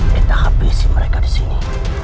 kita habisi mereka disini